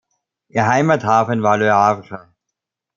Ihr Heimathafen war Le Havre.